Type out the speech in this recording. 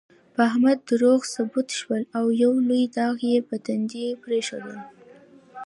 په احمد دروغ ثبوت شول، او یو لوی داغ یې په تندي پرېښود.